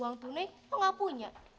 uang tunai pak gak punya